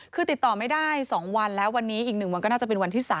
คือติดต่อไม่ได้๒วันแล้ววันนี้อีก๑วันก็น่าจะเป็นวันที่๓